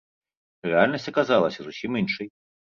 Рэальнасць аказалася зусім іншай.